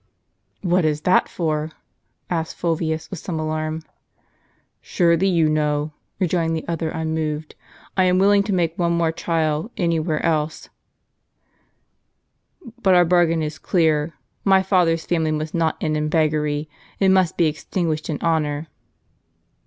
"What is that for?" asked Fulvius, with some alarm. "Surely jou know," rejoined the other, unmoved. "I am willing to make one more trial any where else ; but our bar gain is clear ; my father's family must not end in beggary. It must be extinguished in honor."